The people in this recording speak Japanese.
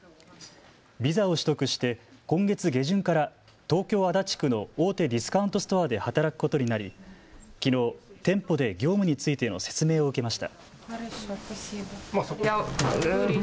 ビザを取得して今月下旬から東京・足立区の大手ディスカウントストアで働くことになりきのう店舗で業務についての説明を受けました。